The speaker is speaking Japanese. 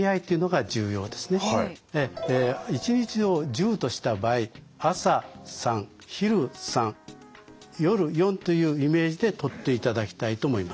一日を１０とした場合朝３昼３夜４というイメージでとっていただきたいと思います。